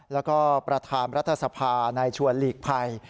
แล้วก็ประธานรัฐสภานายชวนหลีกภัย